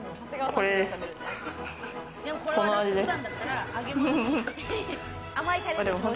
この味です。